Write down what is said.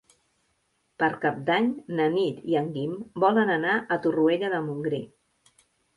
Per Cap d'Any na Nit i en Guim volen anar a Torroella de Montgrí.